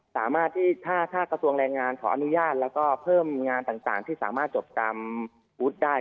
สามารถที่ถ้ากระทรวงแรงงานขออนุญาตแล้วก็เพิ่มงานต่างที่สามารถจบตามวุฒิได้